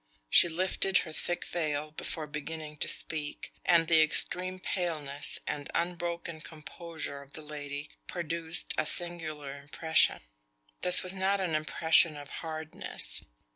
She lifted her thick veil before beginning to speak, and the extreme paleness and unbroken composure of the lady produced a singular impression. This was not an impression of hardness.